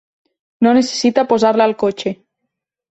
No necessita posar-la al cotxe.